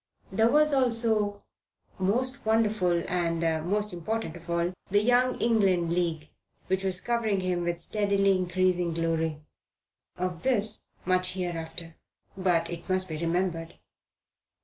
There was also, most wonderful and, important thing of all, the Young England League, which was covering him with steadily increasing glory. Of this much hereafter. But it must be remembered.